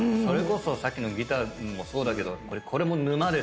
さっきのギターもそうだけどこれも沼ですね。